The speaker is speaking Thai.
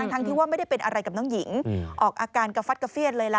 ทั้งที่ว่าไม่ได้เป็นอะไรกับน้องหญิงออกอาการกระฟัดกระเฟียดเลยล่ะ